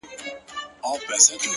• د کسمیر لوري د کابل او د ګواه لوري ـ